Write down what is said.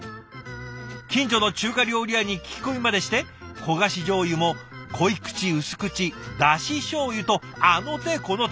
近所の中華料理屋に聞き込みまでして焦がしじょうゆも濃い口薄口ダシしょうゆとあの手この手。